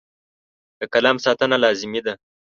د قلم ساتنه لازمي ده.